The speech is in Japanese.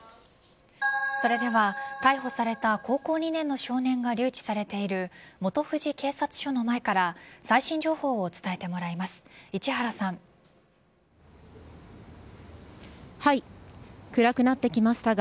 それでは逮捕された高校２年の少年が留置されている本富士警察署の前から最新情報を伝えてもらいます。